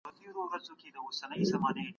طبیعي زیرمي د راتلونکي نسل لپاره وې.